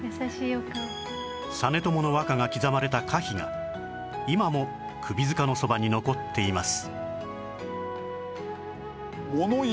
実朝の和歌が刻まれた歌碑が今も首塚のそばに残っています